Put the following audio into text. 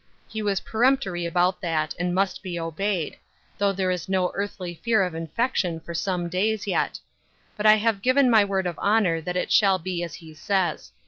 He was peremptory about that and must be obeyed, though there is no earthly fear of infection for some days yet ; but I have given my word of honor that it shall be as he says.